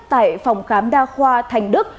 tại phòng khám đa khoa thành đức